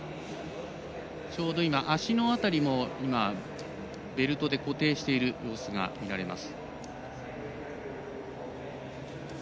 足の辺りもベルトで固定している様子が見られます。